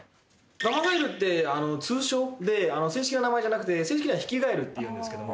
ガマガエルって通称で正式な名前じゃなくて正式にはヒキガエルっていうんですけども。